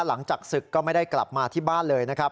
หลังจากศึกก็ไม่ได้กลับมาที่บ้านเลยนะครับ